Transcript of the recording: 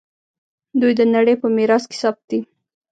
دوی د نړۍ په میراث کې ثبت دي.